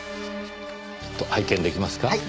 ちょっと拝見出来ますか？